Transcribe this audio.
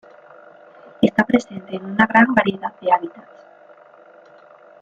Está presente en una gran variedad de hábitats.